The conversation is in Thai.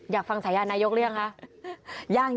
อยากฟังฉายานายกหรือยังคะ